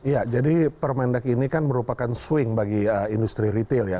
ya jadi permendak ini kan merupakan swing bagi industri retail ya